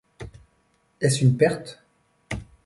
Est-ce une perte ?